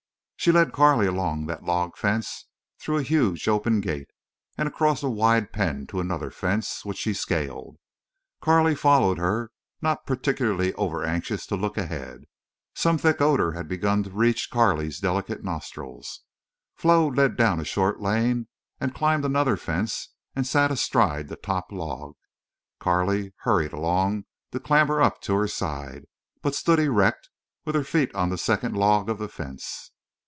She led Carley along that log fence, through a huge open gate, and across a wide pen to another fence, which she scaled. Carley followed her, not particularly overanxious to look ahead. Some thick odor had begun to reach Carley's delicate nostrils. Flo led down a short lane and climbed another fence, and sat astride the top log. Carley hurried along to clamber up to her side, but stood erect with her feet on the second log of the fence.